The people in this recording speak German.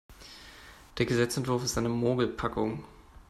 Der Gesetzesentwurf ist eine Mogelpackung.